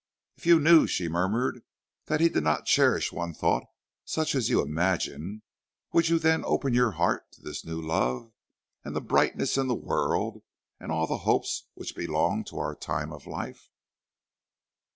"If you knew," she murmured, "that he did not cherish one thought such as you imagine, would you then open your heart to this new love and the brightness in the world and all the hopes which belong to our time of life."